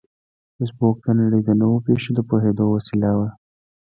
فېسبوک د نړۍ د نوو پېښو د پوهېدو وسیله ده